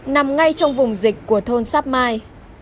nằm ngay trong vùng dịch của thôn sáp mai